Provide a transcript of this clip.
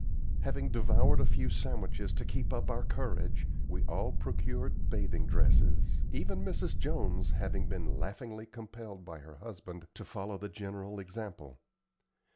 Having devoured a few sandwiches to keep up our courage, we all procured bathing dresses, even Mrs. Jones having been laughingly compelled by her husband to follow the general example.